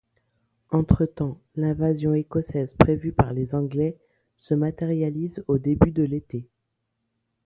Entretemps, l'invasion écossaise prévue par les Anglais se matérialise au début de l'été.